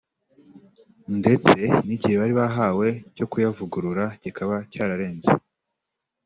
ndetse n’igihe bari bahawe cyo kuyavugurura kikaba cyararenze